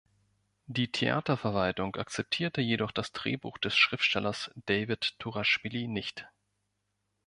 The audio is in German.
Die Theaterverwaltung akzeptierte jedoch das Drehbuch des Schriftstellers David Turaschwili nicht.